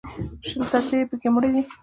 شل سرتېري یې په کې مړه دي